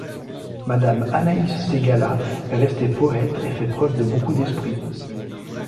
Madame Anaïs Ségalas est restée poète et fait preuve de beaucoup d‘esprit.